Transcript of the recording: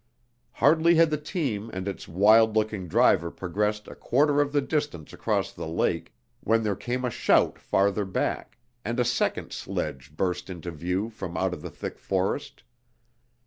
Hardly had the team and its wild looking driver progressed a quarter of the distance across the lake when there came a shout farther back, and a second sledge burst into view from out of the thick forest.